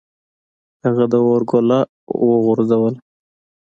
هغه د اور ګوله وغورځوله.